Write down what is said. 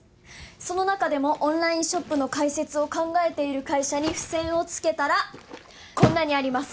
その中でもオンラインショップの開設を考えている会社に付箋をつけたらこんなにあります